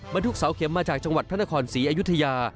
บรรทุกเสาเข็มมาจากจังหวัดพระนครศรีอยุธยา